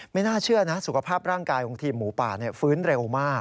ไม่น่าเชื่อนะสุขภาพร่างกายของทีมหมูป่าฟื้นเร็วมาก